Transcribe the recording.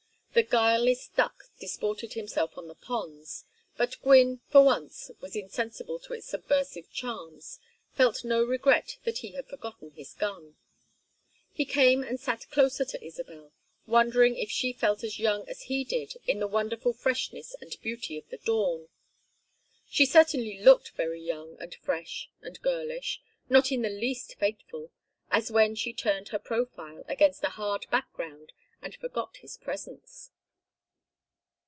The guileless duck disported himself on the ponds, but Gwynne, for once, was insensible to its subversive charms, felt no regret that he had forgotten his gun. He came and sat closer to Isabel, wondering if she felt as young as he did in the wonderful freshness and beauty of the dawn. She certainly looked very young and fresh and girlish, not in the least fateful, as when she turned her profile against a hard background and forgot his presence.